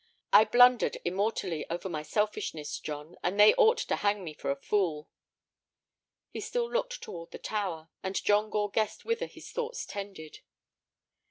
I blundered immortally over my selfishness, John, and they ought to hang me for a fool." He still looked toward the tower, and John Gore guessed whither his thoughts tended.